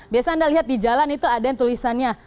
biasanya anda lihat di jalan itu ada tulisannya